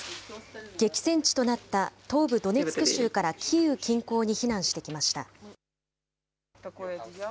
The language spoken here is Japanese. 激戦地となった東部ドネツク州からキーウ近郊に避難してきました。